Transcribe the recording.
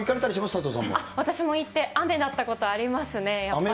佐私も行って、雨だったことありますね、やっぱり。